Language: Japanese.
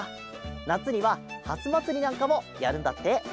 なつにはハスまつりなんかもやるんだって。